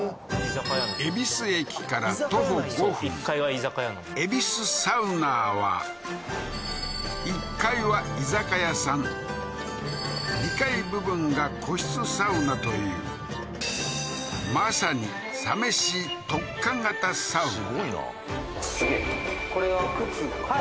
恵比寿駅から徒歩５分恵比寿サウナーは１階は居酒屋さん２階部分が個室サウナというまさにすごいなこれは靴はい